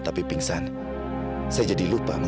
saking paniknya memikirkan amira sudah out fit